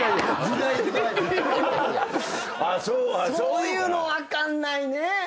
そういうの分かんないね。